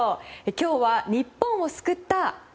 今日は日本を救った。